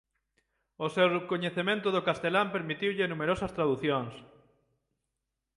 O seu coñecemento do castelán permitiulle numerosas traducións.